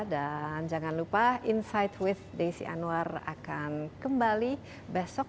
dan jangan lupa insight with desi anwar akan kembali besok